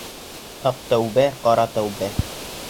Аҡ тәүбә, ҡара тәүбә!